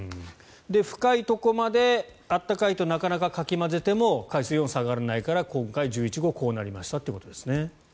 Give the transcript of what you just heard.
深いところまで暖かいとなかなかかき混ぜても海水温が下がらないから今回は１１号がこうなりましたということですね。